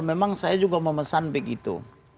memang saya juga memesan begitu